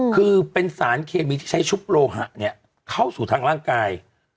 คือเป็นสารเคมีที่ใช้ชุบโลหะเนี่ยเข้าสู่ทางร่างกาย